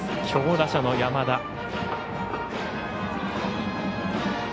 強打者の山田。